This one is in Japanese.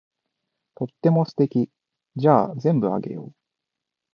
とっても素敵。じゃあ全部あげよう。